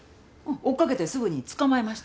追っ掛けてすぐに捕まえました。